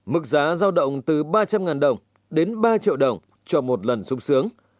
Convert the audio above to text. mức giá giao động từ ba trăm linh đồng đến ba triệu đồng cho một lần xúc xướng